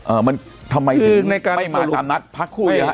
เอ่อมันทำไมถึงไม่มาตามนัดพักคู่อย่างนั้น